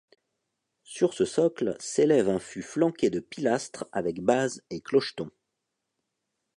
Sur ce socle, s'élève un fût flanqué de pilastres avec bases et clochetons.